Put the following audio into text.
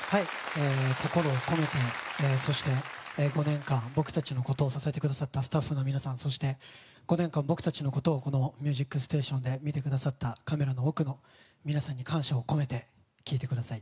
心を込めてそして５年間、僕たちのことを支えてくださったスタッフの皆さんそして５年間、僕たちのことを「ミュージックステーション」で見てくださったカメラの奥の皆さんに感謝を込めて、聴いてください。